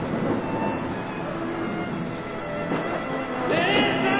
姉さん！